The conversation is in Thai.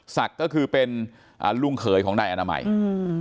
ศักดิ์ก็คือเป็นอ่าลุงเขยของนายอนามัยอืม